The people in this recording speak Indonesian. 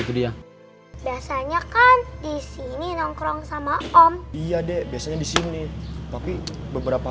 itu dia biasanya kan disini nongkrong sama om iya deh biasanya disini tapi beberapa